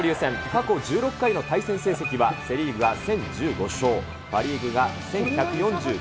過去１６回の対戦成績はセ・リーグが１０１５勝、パ・リーグが１１４６勝。